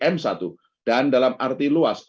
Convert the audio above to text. m satu dan dalam arti luas